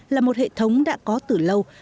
là một hệ thống đã có từ lâu